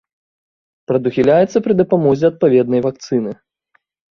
Прадухіляецца пры дапамозе адпаведнай вакцыны.